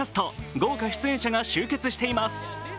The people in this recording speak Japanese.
豪華出演者が集結しています。